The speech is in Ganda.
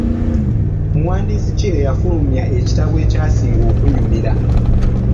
Muwandiisi ki eyafulumya ekitabo ekyasinga okunnyumira.